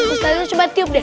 ustazah coba tiup deh